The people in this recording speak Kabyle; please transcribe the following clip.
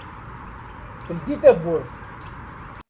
Teldi tawwurt.